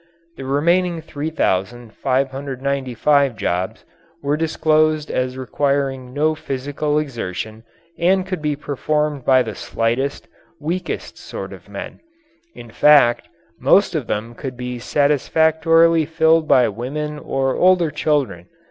The remaining 3,595 jobs were disclosed as requiring no physical exertion and could be performed by the slightest, weakest sort of men. In fact, most of them could be satisfactorily filled by women or older children.